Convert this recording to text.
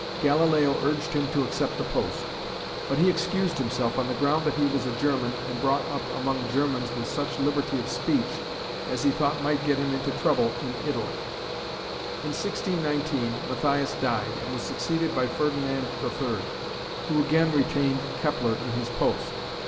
Galileo urged him to accept the post, but he excused himself on the ground that he was a German and brought up among Germans with such liberty of speech as he thought might get him into trouble in Italy. In 1619 Matthias died and was succeeded by Ferdinand III, who again retained Kepler in his post.